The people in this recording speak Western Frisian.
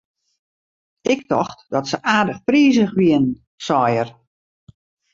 Ik tocht dat se aardich prizich wienen, sei er.